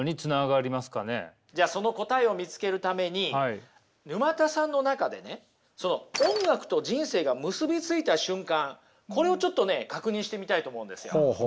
じゃあその答えを見つけるために沼田さんの中でね音楽と人生が結びついた瞬間これをちょっとね確認してみたいと思うんですよ。